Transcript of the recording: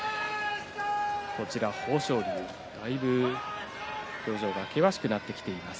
こちら、豊昇龍はだいぶ表情が険しくなってきています。